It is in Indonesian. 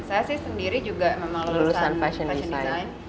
saya sih sendiri juga memang lulusan fashion design